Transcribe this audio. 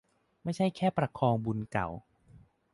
ไม่ใช่แค่ประคองบุญเก่า